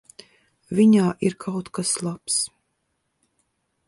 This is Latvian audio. Viņā ir kaut kas labs.